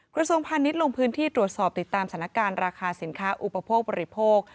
กระทรวงพาณิชย์ลงพื้นที่ตรวจสอบติดตามสถานการณ์ราคาสินค้าอุปโภคบริโภค